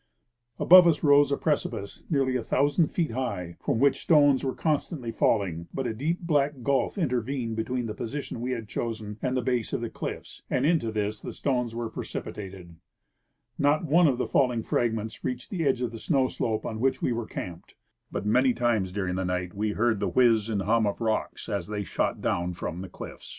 Above us rose a precipice nearly a thousand feet high, from Avhich stones Avere constantlj^ falling ; but a deejD black gulf intervened between the position avc had chosen and the base of the cliffs, and into this the stones were precipitated. Not one of the fall ing fragments reached the edge of the snow slope on Avhich Ave were camped, but many times during the night Ave heard the Avliiz and hum of the rocks as they shot doAvn from the cliffs. 21— Nat. Geog. Mag., vol. Ill, 1801. 150 I.